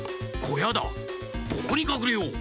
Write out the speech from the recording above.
ここにかくれよう。